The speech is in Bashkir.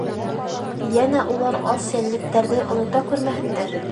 Йәнә улар ас йәнлектәрҙе онота күрмәһендәр!